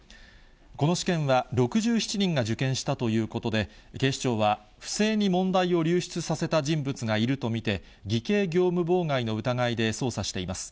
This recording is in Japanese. この試験は、６７人が受験したということで、警視庁は、不正に問題を流出させた人物がいると見て、偽計業務妨害の疑いで捜査しています。